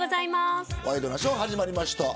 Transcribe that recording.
ワイドナショー始まりました。